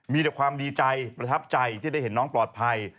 มีแต่ความดีใจประทับใจที่ได้เห็นน้องปลอดภัย